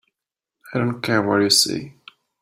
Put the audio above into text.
I don't care what you say.